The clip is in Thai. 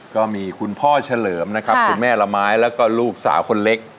ก็มีคุณพ่อเฉลิมนะครับคุณแม่ละไม้แล้วก็ลูกสาวคนเล็ก